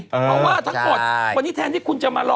เพราะว่าทั้งหมดวันนี้แทนที่คุณจะมารอ